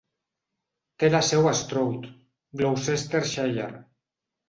Té la seu a Stroud, Gloucestershire.